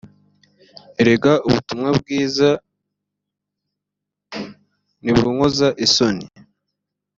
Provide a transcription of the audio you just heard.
erega ubutumwa bwiza ntibunkoza isoni